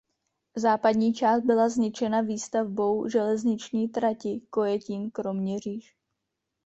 Západní část byla zničena výstavbou železniční trati Kojetín–Kroměříž.